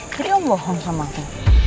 jadi kamu bohong sama aku